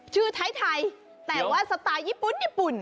ชื่อไทยแต่ว่าสไตล์ญี่ปุ่น